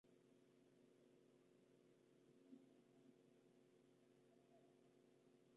Otro ejemplo es el "problema de los falsos positivos" en Colombia.